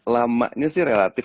lamanya sih relatif